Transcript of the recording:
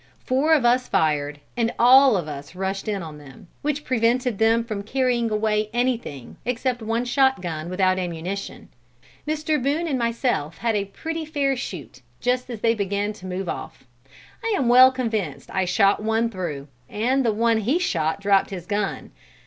Four of us fired, and all of us rushed on them, which prevented them from carrying away anything, except one shot gun without ammunition. Mr. Boone and myself had a pretty fair shoot, just as they began to move off. I am well convinced I shot one through, and the one he shot dropped his gun.